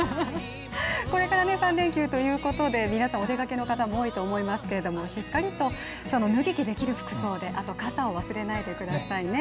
これから３連休ということで、皆さん、お出かけの方も多いと思いますが、しっかりと脱ぎ着できる服装であと傘を忘れないでくださいね。